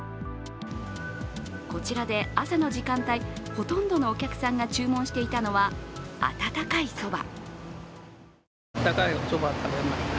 こちらで朝の時間帯、ほとんどのお客さんが注文していたのは、温かいそば。